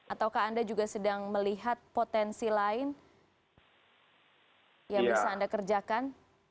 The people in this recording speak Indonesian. ataukah anda juga sedang melihat potensi lain yang bisa anda kerjakan